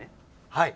はい！